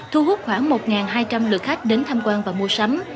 thu hút khoảng một hai trăm linh lượt khách đến tham quan và mua sắm